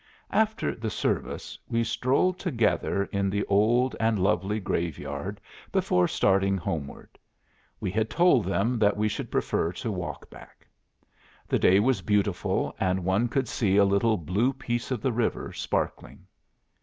"After the service, we strolled together in the old and lovely grave yard before starting homeward. We had told them that we should prefer to walk back. The day was beautiful, and one could see a little blue piece of the river, sparkling."